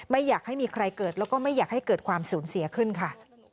ไม่อยากให้มีใครเกิดแล้วก็ไม่อยากให้เกิดความสูญเสียขึ้นค่ะ